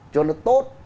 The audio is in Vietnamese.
cho nó tốt